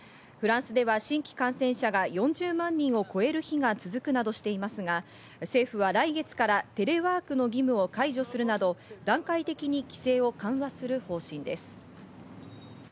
フランスでは新規感染者が４０万人を超える日が続くなどしていますが、政府は来月からテレワークの義務を解除するなど、段階的に規制を緩和する方針です。